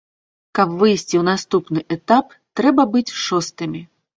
Каб выйсці ў наступны этап трэба быць шостымі.